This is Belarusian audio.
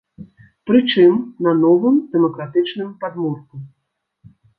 Прычым, на новым дэмакратычным падмурку.